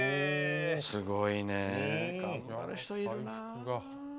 すごいね、頑張る人いるな。